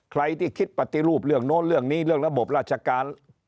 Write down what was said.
ใครที่คิดปฏิรูปเรื่องโน้นเรื่องนี้เรื่องระบบราชการ